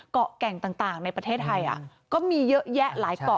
แก่งต่างในประเทศไทยก็มีเยอะแยะหลายเกาะ